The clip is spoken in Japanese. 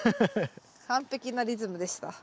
完璧なリズムでした。